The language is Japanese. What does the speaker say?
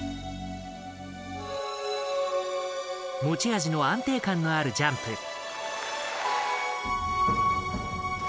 持ち味の安定感のあるジャンプ。